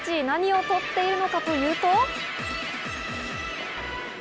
何を撮っているのかと言いますと。